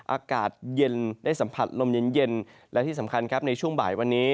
อากาศเย็นได้สัมผัสลมเย็นและที่สำคัญครับในช่วงบ่ายวันนี้